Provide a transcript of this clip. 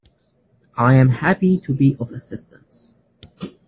I am happy to be of assistance